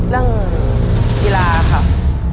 เรื่องกีฬาครับ